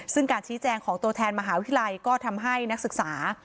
ซึ่งการชี้แจงของตัวแทนมหาวิทยาลัยก็ทำให้นักศึกษา